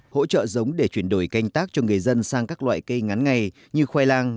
hỗ trợ giống để chuyển đổi canh tác cho người dân sang các loại cây ngắn ngày như khoai lang